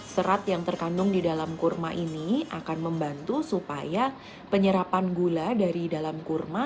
serat yang terkandung di dalam kurma ini akan membantu supaya penyerapan gula dari dalam kurma